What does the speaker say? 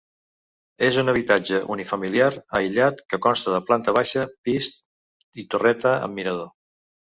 És un habitatge unifamiliar aïllat que consta de planta baixa, pis i torreta amb mirador.